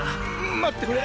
待ってくれ。